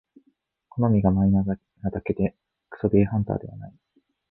好みがマイナーなだけでクソゲーハンターではない